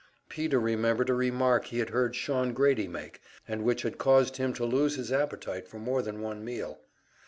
Peter remembered a remark he had heard Shawn Grady make, and which had caused him to lose his appetite for more than one meal.